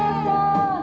kau tak suka jauh